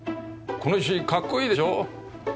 この石かっこいいでしょ？